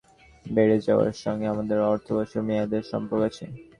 শুকনো মৌসুমে ধুলাবালুর পরিমাণ বেড়ে যাওয়ার সঙ্গে আমাদের অর্থবছরের মেয়াদের সম্পর্ক আছে।